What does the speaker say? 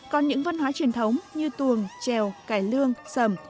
còn những văn hóa truyền thống như tuồng trèo cải lương sầm